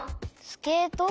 スケート？